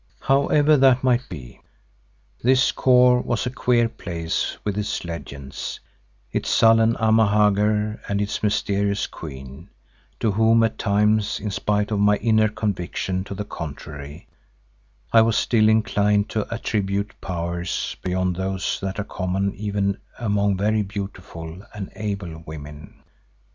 However that might be, this Kôr was a queer place with its legends, its sullen Amahagger and its mysterious queen, to whom at times, in spite of my inner conviction to the contrary, I was still inclined to attribute powers beyond those that are common even among very beautiful and able women.